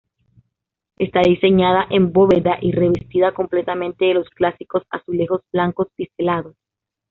Está diseñada en bóveda y revestida completamente de los clásicos azulejos blancos biselados.